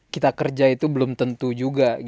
kita kerja itu belum tentu juga